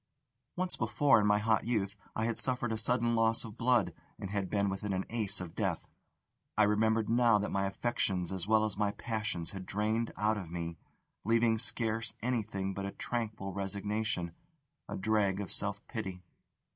Once before, in my hot youth, I had suffered a sudden loss of blood, and had been within an ace of death. I remembered now that my affections as well as my passions had drained out of me, leaving scarce anything but a tranquil resignation, a dreg of self pity.